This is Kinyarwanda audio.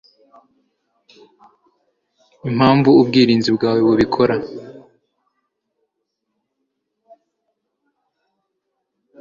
Impamvu ubwirinzi bwawe bubikora